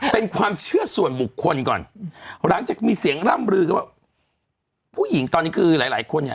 เป็นความเชื่อส่วนบุคคลก่อนหลังจากมีเสียงร่ำลือกันว่าผู้หญิงตอนนี้คือหลายหลายคนเนี่ย